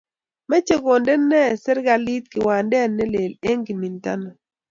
mechei kondene serikalit kiwandet ne lel eng' kimintano.